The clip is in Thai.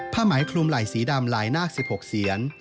ผ้าไหมคลุมไหล่สีดำลายนากสิบหกเซียน